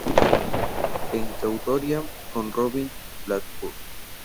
En coautoría con Robin Blackburn.